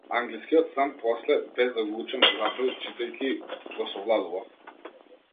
Англискиот сам после, без да го учам, заправо читајќи, го совладував.